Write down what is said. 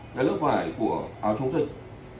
cái lớp vải của áo chống dịch